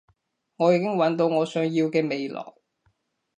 我已經搵到我想要嘅未來